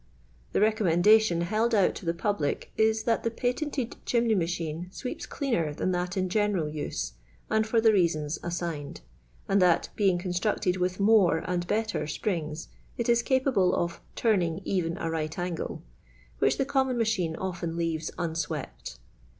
The recommendation held ont to the public is, that the patented chimney machine sweeps cle.iner than that in g(*neral uw, and for the reasons assigned ; and that, being constructed with more and better springs, it is cipable of "turning even a right angle," which the common machine often leaves unswept.